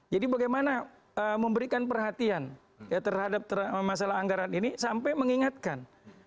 jadi bagaimana memberikan perhatian ya terhadap masalah anggaran ini sampai mengingatkan